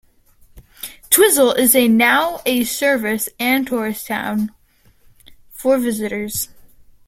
Twizel is a now a service and tourist town for visitors.